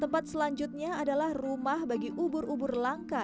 tempat selanjutnya adalah rumah bagi ubur ubur langka